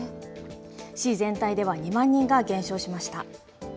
市全体では２万人が減少しました。